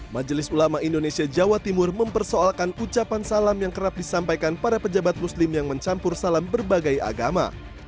majelis ulama indonesia jawa timur mempersoalkan ucapan salam yang kerap disampaikan para pejabat muslim yang mencampur salam berbagai agama